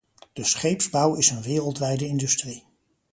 De scheepsbouw is een wereldwijde industrie.